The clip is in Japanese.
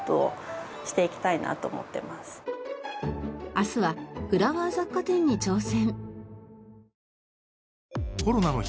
明日はフラワー雑貨店に挑戦。